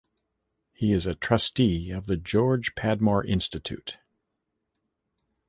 He is a Trustee of the George Padmore Institute.